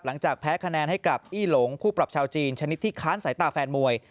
หลังจากแพ้คะแนนให้กับอี้หลงคู่ปรับชาวจีนชนิดที่ค้านสายตาแฟนมวย